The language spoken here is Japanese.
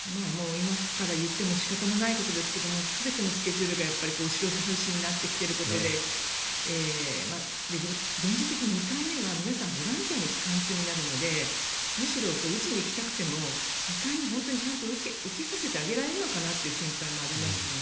今から言っても仕方のないことですけれども全てのスケジュールが後ろ倒しになってきていることで現実的に２回目は皆さんボランティアの期間中になるのでむしろ、打ちに行きたくても２回目本当に受けさせてあげられるのかなという心配もありますよね。